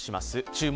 「注目！